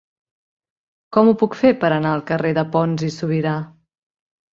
Com ho puc fer per anar al carrer de Pons i Subirà?